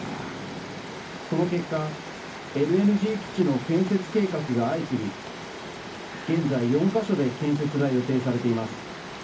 その結果、ＬＮＧ基地の建設計画が相次ぎ、現在４か所で建設が予定されています。